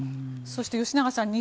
そして吉永さん